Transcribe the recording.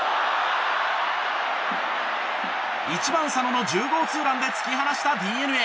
１番、佐野の１０号ツーランで突き放したＤｅＮＡ。